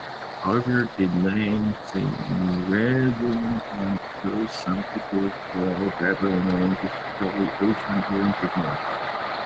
However, the name seemed redundant so some people sought better names, especially ocean-oriented names.